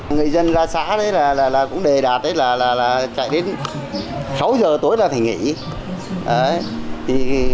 người dân ra xã cũng đề đạt chạy đến sáu giờ tối là phải nghỉ